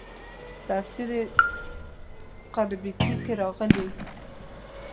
تفسیر قرطبي کې راغلي.